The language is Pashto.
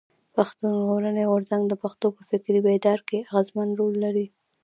پښتون ژغورني غورځنګ د پښتنو په فکري بيداري کښي اغېزمن رول لري.